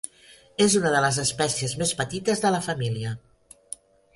És una de les espècies més petites de la família.